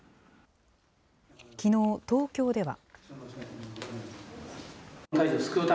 きのう、東京では。